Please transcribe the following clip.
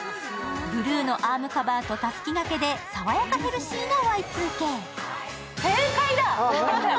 ブルーのアームカバーとたすき掛けで爽やかヘルシーなＹ２Ｋ。